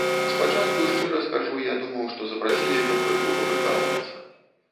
Спачатку, шчыра скажу, я думаў, што запрасілі, каб крыху папрыкалвацца.